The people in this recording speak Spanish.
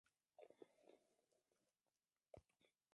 Aquí da comienzo la parte moral de la homilía.